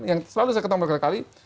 yang selalu saya ketemu beberapa kali